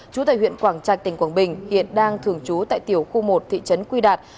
chú tại huyện quảng trạch tỉnh quảng bình hiện đang thường trú tại tiểu khu một thị trấn quy đạt